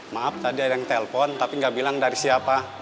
maaf tadi ada yang telpon tapi nggak bilang dari siapa